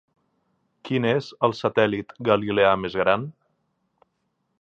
Quin és el satèl·lit galileà més gran?